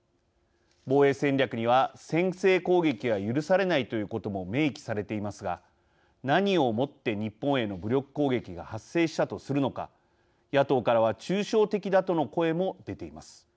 防衛戦略には先制攻撃は許されないということも明記されていますが何をもって日本への武力攻撃が発生したとするのか野党からは抽象的だとの声も出ています。